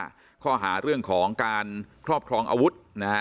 ข้อหาร่วมกันข้อหารเรื่องของการครอบครองอาวุธ